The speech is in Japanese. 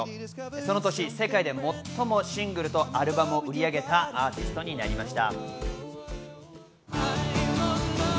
その年、世界で最もシングルとアルバムを売り上げたアーティストになりました。